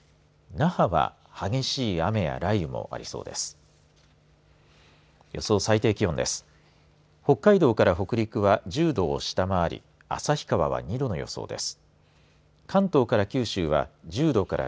那覇は、激しい雨や雷雨もありそうです。